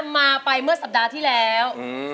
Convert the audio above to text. มาไปเมื่อสัปดาห์ที่แล้ว